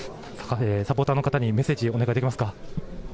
サポーターの方にメッセージをお願いできますか。